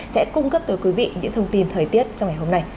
sẽ cung cấp tới quý vị những thông tin thời tiết trong ngày hôm nay